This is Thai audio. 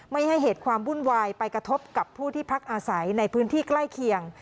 ไม่ให้เหตุความวุ่นวายไปกระทบกับผู้ที่พักอาศัยในพื้นที่ใกล้เคียง